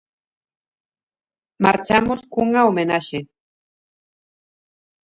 Marchamos cunha homenaxe.